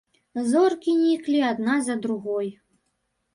Зоркі ніклі адна за другой.